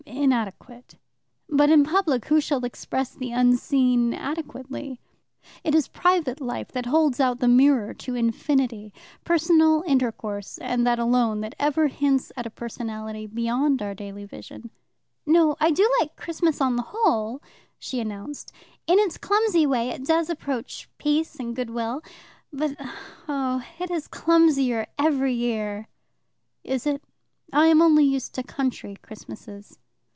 Inadequate. But in public who shall express the unseen adequately? It is private life that holds out the mirror to infinity; personal intercourse, and that alone, that ever hints at a personality beyond our daily vision. "No, I do like Christmas on the whole," she announced. "In its clumsy way, it does approach Peace and Goodwill. But oh, it is clumsier every year." "Is it? I am only used to country Christmases."